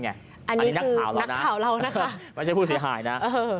อันนี้คือนักข่าวเรานะคะมันไม่ใช่พูดสีหายนะ